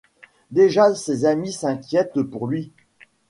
Déjà ses amis s'inquiètent pour lui.